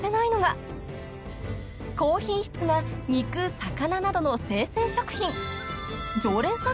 ［高品質な肉魚などの生鮮食品］